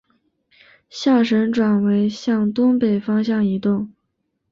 象神转为向东北方向移动。